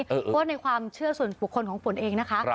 เพราะว่าในความเชื่อส่วนบุคคลของฝนเองนะคะ